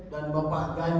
dan memiliki kekuasaan